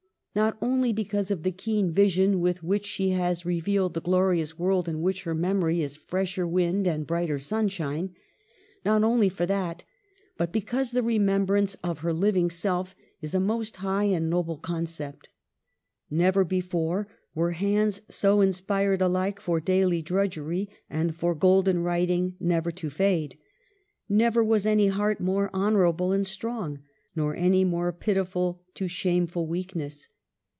Not only because of the keen vision with which she has revealed the glorious world in which her memory is fresher wind and brighter sunshine ; not only for that, but because the remembrance of her living self is a most high and noble pre cept. Never before were hands so inspired alike for daily drudgery, and for golden writing never to fade. Never was any heart more honorable and strong, nor any more pitiful to shameful weakness.